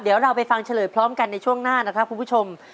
เดี๋ยวเราไปฟังเฉลยพร้อมกันในช่วงหน้านะครับคุณผู้ชม